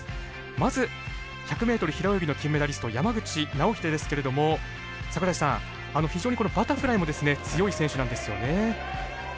まず、１００ｍ平泳ぎの金メダリスト山口尚秀ですけれども非常にバタフライも強い選手なんですよね。